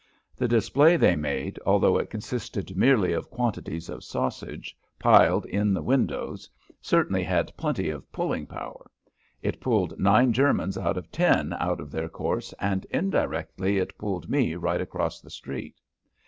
The display they made, although it consisted merely of quantities of sausage piled in the windows, certainly had plenty of "pulling" power. It "pulled" nine Germans out of ten out of their course and indirectly it "pulled" me right across the street.